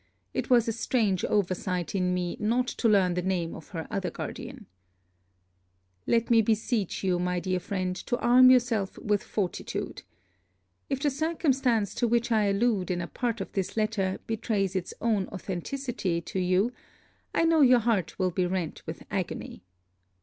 It was a strange over sight in me not to learn the name of her other guardian. Let me beseech you, my dear friend, to arm yourself with fortitude. If the circumstance to which I allude in a part of this letter betrays its own authenticity to you, I know your heart will be rent with agony.